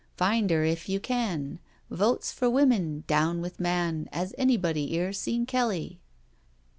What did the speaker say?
Find 'er if you can ; Votes for Women, Down with man. 'As anybody 'ere seen Kelly